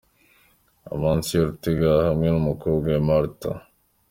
Amancio Ortega hamwe n' umukobwa we Marta.